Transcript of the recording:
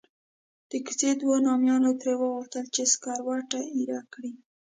د کوڅې دوو نامیانو ترې وغوښتل چې سکروټه ایره کړي.